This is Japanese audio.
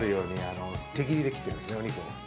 お肉を。